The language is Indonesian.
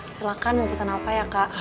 silahkan mau pesan apa ya kak